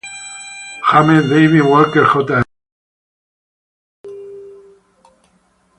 James David Walker Jr.